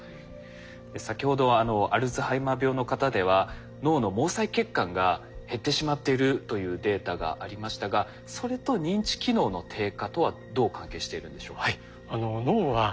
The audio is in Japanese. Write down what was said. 先ほどアルツハイマー病の方では脳の毛細血管が減ってしまっているというデータがありましたがそれと認知機能の低下とはどう関係しているんでしょうか？